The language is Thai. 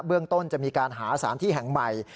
เรื่องต้นจะมีการหาสารที่แห่งใหม่